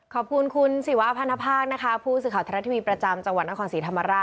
ขอบคุณคุณศิวะพันธภาคนะคะผู้สื่อข่าวไทยรัฐทีวีประจำจังหวัดนครศรีธรรมราช